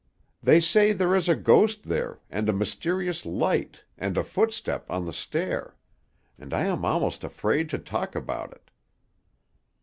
They say there is a ghost there, and a mysterious light, and a footstep on the stair; and I am almost afraid to talk about it."